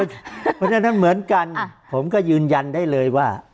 เพราะฉะนั้นเหมือนกันผมก็ยืนยันได้เลยว่า